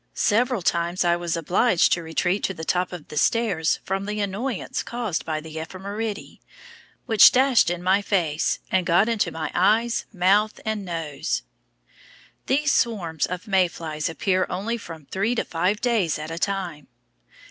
Several times I was obliged to retreat to the top of the stairs from the annoyance caused by the ephemeræ, which dashed in my face, and got into my eyes, mouth, and nose." These swarms of May flies appear only from three to five days at a time.